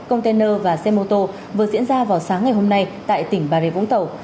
container và xe mô tô vừa diễn ra vào sáng ngày hôm nay tại tỉnh bà rê vũng tẩu